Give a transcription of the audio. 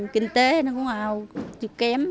kinh tế nó cũng kém